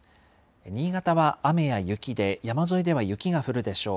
新潟は雨や雪で、山沿いでは雪が降るでしょう。